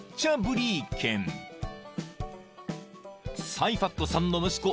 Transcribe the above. ［サイファットさんの息子